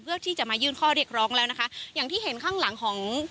เพื่อที่จะมายื่นข้อเรียกร้องแล้วนะคะอย่างที่เห็นข้างหลังของ